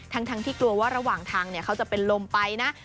ทั้งที่กลัวว่าระหว่างทางเขาจะเป็นลมไปนะ